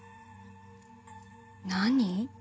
何？